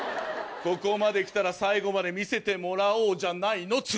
ここまで来たら最後まで見せてもらおうじゃないの。